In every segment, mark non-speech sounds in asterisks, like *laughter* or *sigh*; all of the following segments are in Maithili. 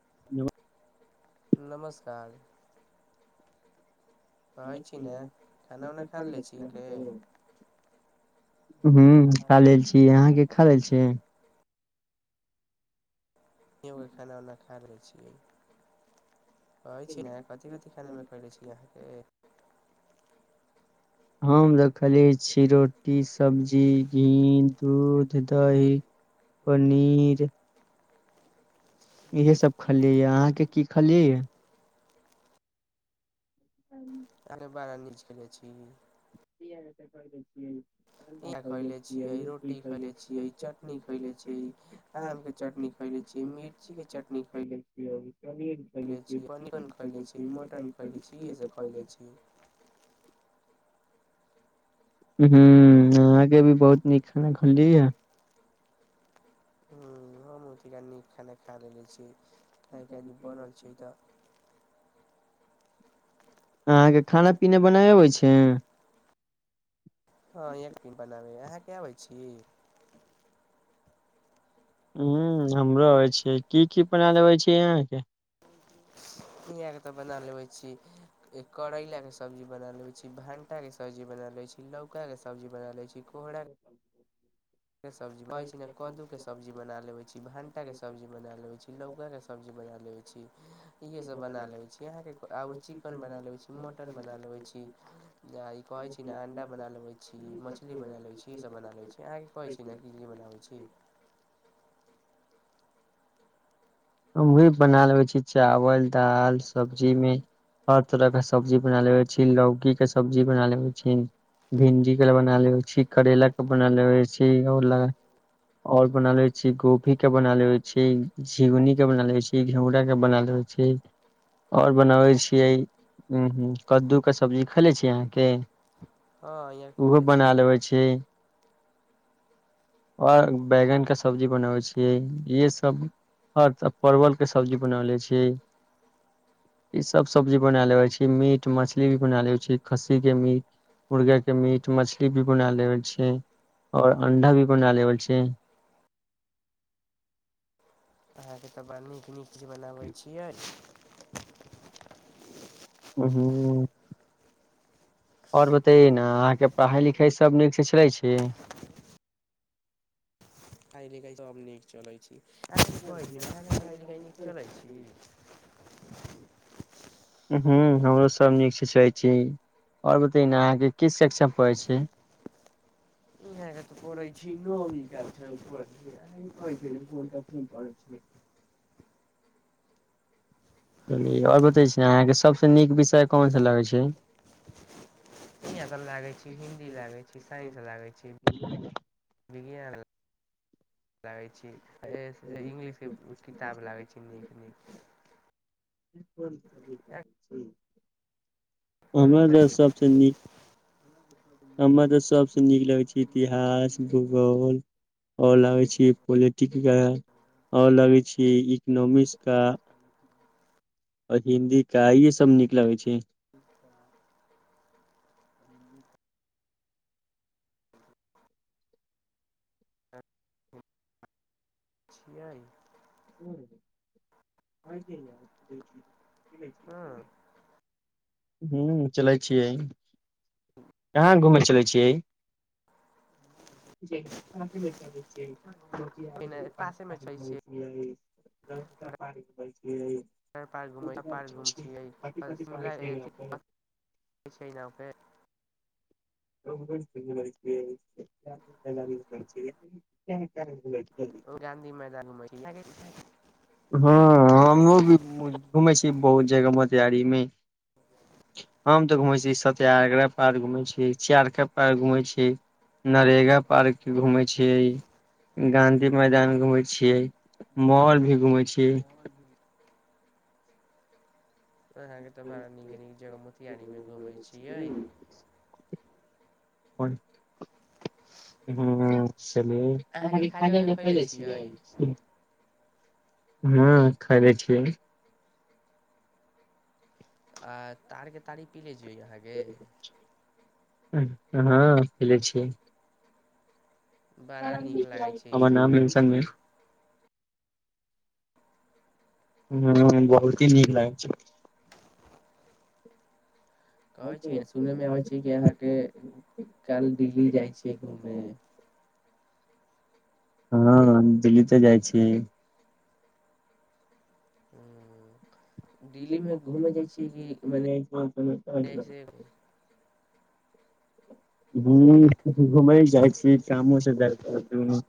*unintelligible* नमस्कार कहै छी ने खाना उना खा लेले छी अहाँके *unintelligible* हू खा लैल छी अहाँके खा लै छी खाना उना खा लै छियै कहै छी न कथि कथि खानामे खयले छी अहाँके हम देखलिए छी रोटी सब्जी घी दूध दही पनीर इहे सभ खलियै यै अहाँके की खलियै यै अरे बारा निज खैने छी कियै नहि तऽ कर दै छियै अंडा खैले छियै रोटी खैले छियै चटनी खैले छियै आम के चटनी खयने छियै ईमली के चटनी खयने छियै पनीर खैले छियै छी पनीर चिकन खैले छी छियै मटन छी इहे खैले सब छियै खैले छी *inaudible* उहू अहाँके भी बहुत नीक खाना खलिए हू हम ओतिका नीक खाना खा लेने छी आइ काल बनल छै तऽ अहाँके खाना पीना बनाए अबै छै हाँ बनाबै अहाँ के आबै छी हूँ हमरो आबै छी की की बना लबै छियै यहाँके हियाके तऽ बना लेबै छी एक करैला करैलाके के सब्जी बना लेबै छी भंटा के भणटाके सब्जी बना लेबै छी लौका के लौकाके सब्जी बना लेबै छी *inaudible* आ *inaudible* के सब्जी कहै छी न हमहुँ कदू के सब्जी बना लेबै छी भंटा के सब्जी बना लेबै छी लौका के सब्जी बना इेहे सब बना लेबै छी अहाँ बना लेबै छी मटन बना लेबै छी कहे छी ने अंडा बना लेबै छी मछली बना बना लेबै अहाँके कहै छी ने की की बनाबै छी हम भी बना लेबै छी चावल दाल सब्जीमे हर तरह के सब्जी बना लेबै छी लौकी के सब्जी बना लेेबै छी भिंडी के बना लेे छी करैला के बना लेबै छी ल ओर बनालेइ छी गोभी के बनाले लेबै छी झिंगुनी के बना ले छी घिउरा के बना लेबे छी ओर बनाबै छियै कद्दूके सब्जी खेले छियै अहाँके हँ यहाँ उहो खैले बना छियै लेबै छी ओर बैंगन का सब्जी बनाबै छियै इहे सब हर तऽ परवलके सब्जी बना लै छियै ई सब सब्जी बना लेब छी मीट मछली भी बना लेे छी खस्सी के मीट मुर्गा के मीट मछली भी बना लेते छै आओर अंडा भी बना लेबै छी अहाँके तऽ बड़ा नीक नीक चीज बनाबै छियै उंहू *unintelligible* ओर बतै ने अहाँके पढ़ाइ लिखाइ सभ नीकसँ चलै छी पढ़ाई लिखाई सब तऽ ेक चलै हूँ छै *unintelligible* हमरो सब नीक सिखै छी ओर बतै ने अहाँके कस शेक्षा पढ़ै छी *unintelligible* ह तऽ पै छी नदी छी को छी *unintelligible* *inaudible* ओर बतै छी ने अहाँके सबसे नीक विषय कोन सा लगै छै इहाँ तऽ लागै छी हिन्दी लागै छी *unintelligible* इ है लै *inaudible* इंग्लिशके किताब लागै छी नीक नीक कोन *unintelligible* कोन हमर सा लए सभसँ नीक हमरा तऽ सभसँ नीक लगै छै इतिहास भूगोल ओर लागे छी पोलिटिक ओर लगे छी कि इकनॉमिक्स का आ हिन्दी काई ये सब नीक लगै छै *inaudible* छियै हँ हँ *unintelligible* ह्म चलै छियै कहाँ घुम चले छियै ह *unintelligible* बच इ पासेमे छै लोकोकी छियै ै *unintelligible* र पार्क पार्क घुम छियै शिमला स्थ सै जापे *unintelligible* ओ गाँधी मैदानमे हँ हमो भी घुमै छी बहुत जगह मोतिहारी मे हम तऽ घूमै छी सत्याग्रह पार्क घूम छी सियारक पार्क घूम छी नरेगा पार्क घूमे छियै गाँधी मैदान घूमे छियै मॉल भी घूमे छी अहाँके तऽ बड़ा नीक नीक जगह मोतियारीमे घूमै छियै पन अहाँके खाजा उजा खैले छियै *unintelligible* हां खरे छियै आ तार के तारी पी लै छियै अहाँके हँ पी लै छियै बड़ा नीक लागै छै ई हमर सुनय मे नाम आबै इंसन छियै भेल ह बहुते नीक लागै छै कहै छियै ने सुनय सुनने मे में आबै छै कि जे अहांके अहाँके छै काल काल्हि उ दिल्ली बील जाइ छियै छै ओहो घूमे *inaudible* हँ दिल्ली त जाइ छियै हू *unintelligible* मने ऐसे हू घुमैल जाई छियै कामो से जाई छियै दुनु *inaudible*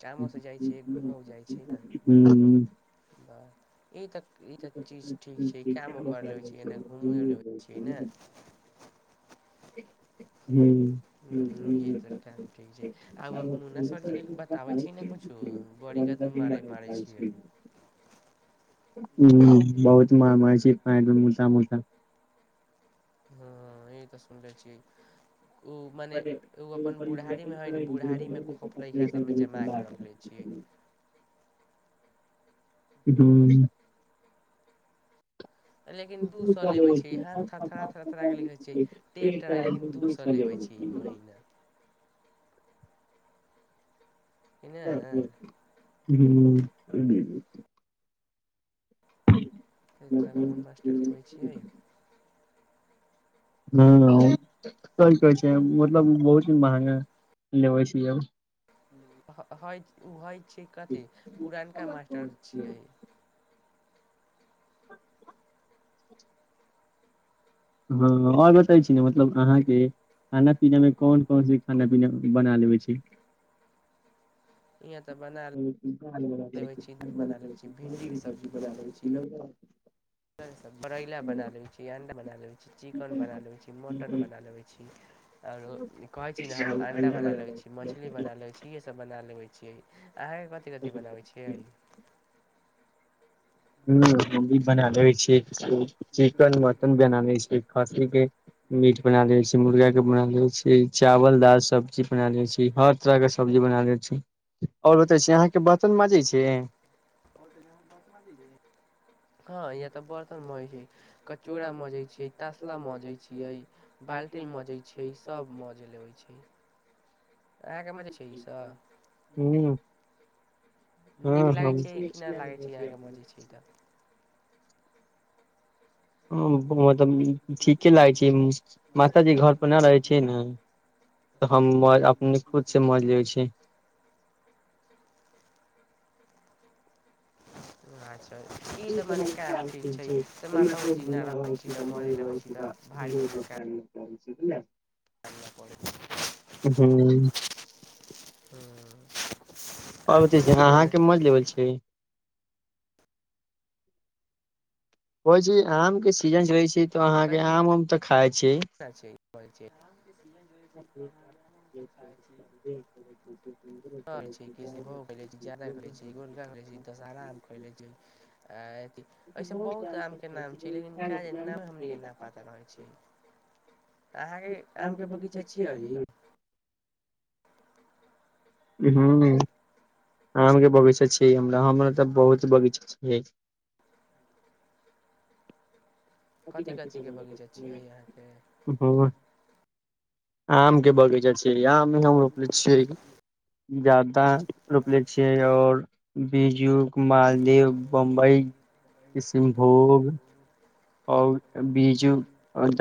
कामो से कामोसँ जाइ छियै घूमो जाइ छियै ने *unintelligible* ई तऽ ई तऽ चीज ठीक छै ई कामो कर लेबे छी एने घूमियो लेबे छी न *inaudible* हूँ हँ इहे त काम ठीक छै आब मुना सरजी के बताबे छै ने कुछो बड्ड *unintelligible* *inaudible* ह बहुत मार मारै छै पैंट मे मुता मुता हँ ई त समझै छियै ओ मने हूँ ओ अपन हँ बुढ़ारीमे हइ नु बुढ़ारीमे खौफ लैका सबमे जमाके रखले छियै *inaudible* हूँ लेकिन दू सौ लेवे छै हाथ थड़थड़ा थड़थड़ा केे लिखै छै टेढ़ टराहि लेकिन दू सौ लेवे छै छै महिना कि ने ह्म इतना कोन मास्टर लेबै छियै ह सही कहै छै मतलब बहुत ही महंगा लेबे छी अब हय उ ओहै छै कथी पुरानका मास्टर छियै *inaudible* हँ और बतै छी ने मतलब अहाँ के खाना पीना मों कोन कोन से खाना पीना बना लेबे ठीक *inaudible* इहाँ तऽ बना ह्म हम लेबै छी बना लबै छी भिंडीके सब्जी बना लेबै छी करैला बना लै छी अंडा बना लेबै छी चिकेन बना लेबै छी मटन बना लेबै छी आरो कहै छी न हउ अंडा बना लेबै छी मछली बना लेबै छी इहे सब बना लेबै छी अहाँके कथि कथि बनाबै छियै हूँ हम भी बना लेबै छियै ओ चिकन मटन बना लै छियै खस्सी के मीट बना लेबै छियै मुर्गा के बना लेबै छियै चावल दाल सब्जी बना लेबै छियै हर तरह के सब्जी बना लेबै छी आओर बतबै छी अहाँके बर्तन मांजै छी हाँ बर्तन मांजै छी *unintelligible* हँ या तऽ बर्तन मजैत छी कटोड़ा मजैत छियै तसला मजैत छियै बाल्ट टी मजै छियै सब मज लेबै छियै अहाँ के मजै छियै इ सब ह हँ हम लागै छै अहाँके मजै छियै तऽ हँ मतलब ठीके लागै छै माताजी घर पर नहि रहै छियै न तऽ हम अपने खुदसँ मज लेबैत छियै *inaudible* छ *unintelligible* तऽ ई तऽ मने काम ठीक छै तऽ माता जी नहि रहै छी तऽ मौज लबै छी तऽ भारी अच्छा *inaudible* हूँ *unintelligible* आब प कहै छै छी ने अहाँके मज लेब छिये कहै छी आम के सीजन रहे छै तऽ हँ अहाँ के बतैली ने आम उम तऽ खाय छै ब छै *unintelligible* *inaudible* किष्नभोग़ खयले छी जारदा खायले छी गोडा आम खैले छी दशहारा आम खयले छी अयसन बहुत आम के नाम छै लेकिन कहे नामे हम नै गिना पा रहल छै अहाँके आम के बगीचा छि क *unintelligible* हूँ आम के बगीचा छियै हमरा हमरा तऽ बहुत बगीचा छै *inaudible* कापी कथी कऽ के कथीके सिरीयल बगीचा देखय छियै अहाँके छी ह आम के बगीचा छै आम नहि हम रोपले छियै जरदा रोपले छियै ओर बीजू मालदेव बम्बई किष्णभोग आओर बीजू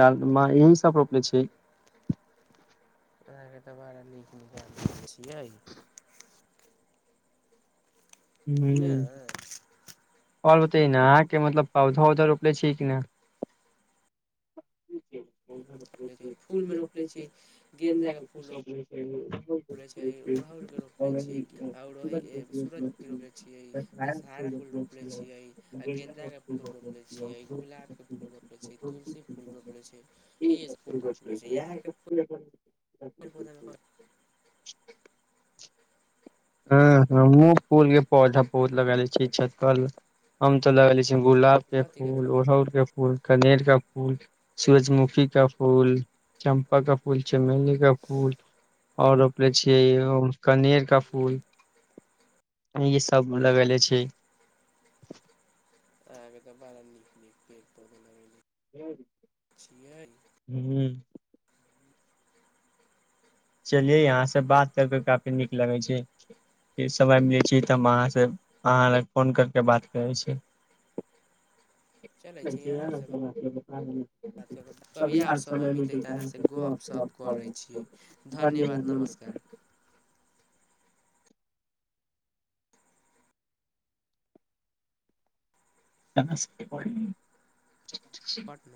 डालमा यही सब रोपले छियै अहाँके तऽ बड़ा नीक नीक छियै कि ना हूँ आओर बतैए ने अहाँके मतलब पौधा उधा रोपले छीये कि नहि फूल मे रोप लै छी गेंदा के फूल रोप रोपे उड़हुल के रोपले छियै आओरो सूरजमु रोपले छियै दशहरा फूल रोपले छियै आ गेंन्दा के फूल रोपले छियै गुलाब फूल रोपले छै तुलसी फूल रोपले छै इह सब फूल रोपले छै यहाँके बतल हँ हम फूल के पौधा बहुत लगा ले छिये छत पर मे हम तऽ लगेले छी गुलाब के कथि कथि फूल अड़हुल के फूल कनेर के फूल सूरजमुखी का फूल चम्पा का फूल चमेली का फूल आओर रोपले छियै हम कनेर का फूल ई सभ लगेले छी अहाँ तऽ बड़ा नीक नीक पेड़ पौधा लगेले छियै हू चलिये अहाँ से बात करके काफी नीक लगै छै समय मिलै छै तऽ हम से अहाँसँ अहाँ लग फोन करि कऽ बात करैत छी *inaudible* *unintelligible* कभी तभिए आओर आज समय मिलतै तऽ अहाँसँ गप सप करै छी धन्यवाद नमस्कार नमस्कार पट